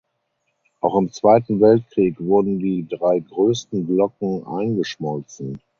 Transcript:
Auch im Zweiten Weltkrieg wurden die drei größten Glocken eingeschmolzen.